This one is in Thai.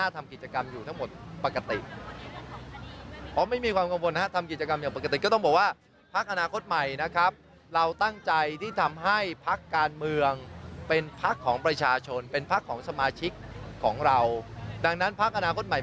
ประชาชนพร้อมที่จะให้กำลังใจและสนับสนุนพักตลอดเวลาค่ะ